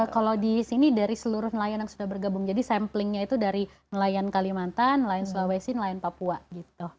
kalau di sini dari seluruh nelayan yang sudah bergabung jadi samplingnya itu dari nelayan kalimantan nelayan sulawesi nelayan papua gitu